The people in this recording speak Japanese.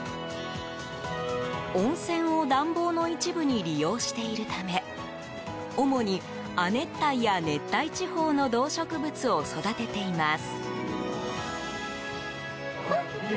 温泉を暖房の一部に利用しているため主に亜熱帯や熱帯地方の動植物を育てています。